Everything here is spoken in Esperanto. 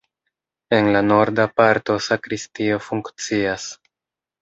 En la norda parto sakristio funkcias.